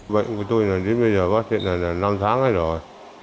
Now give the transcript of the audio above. bệnh của tôi là đến bây giờ phát hiện là năm tháng rồi